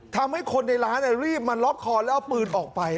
ทำให้คนในร้านรีบมาล็อกคอแล้วเอาปืนออกไป